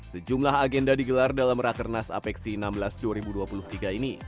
sejumlah agenda digelar dalam rakernas apeksi enam belas dua ribu dua puluh tiga ini